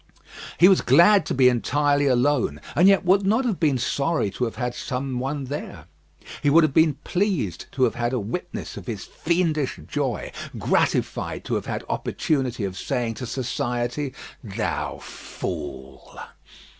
He was glad to be entirely alone, and yet would not have been sorry to have had some one there. He would have been pleased to have had a witness of his fiendish joy; gratified to have had opportunity of saying to society, "Thou fool."